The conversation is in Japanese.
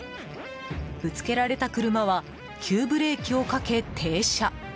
ぶつけられた車は急ブレーキをかけ停車。